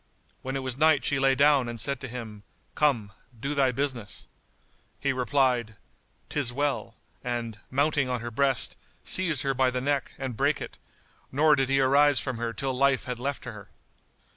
When it was night she lay down and said to him, "Come, do thy business." He replied, "'Tis well;" and, mounting on her breast, seized her by the neck and brake it, nor did he arise from her till life had left her.